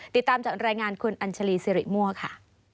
ติดตามจากรายงานคุณอัญชาลีสิริมั่วค่ะ